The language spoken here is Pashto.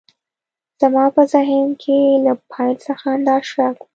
زما په ذهن کې له پیل څخه همدا شک و